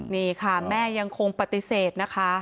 นี่ค่ะแม่ยังคงปฏิเสธนะคะ